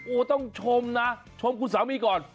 โอ้โหต้องชมนะชมคุณสามีก่อน